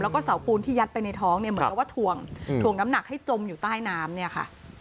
แล้วก็เสาปูนที่ยัดไปในท้องเนี่ยเหมือนกับว่าถ่วงถ่วงน้ำหนักให้จมอยู่ใต้น้ำเนี่ยค่ะ